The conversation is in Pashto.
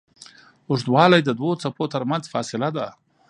اوږدوالی د دوو څپو تر منځ فاصله ده.